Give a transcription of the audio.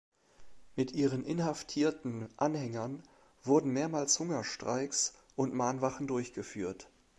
Mit ihren inhaftierten Anhängern wurden mehrmals Hungerstreiks und Mahnwachen durchgeführt.